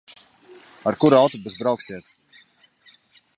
Ar kuru autobusu brauksiet?